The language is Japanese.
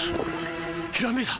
ひらめいた！